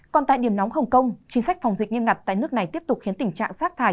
còn tại điểm nóng hồng kông chính sách phòng dịch nghiêm ngặt tại nước này tiếp tục khiến tình trạng sát thải